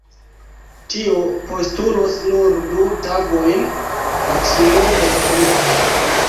Tio postulos nur du tagojn, maksimume tri.